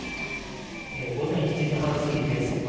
午前７時半過ぎです。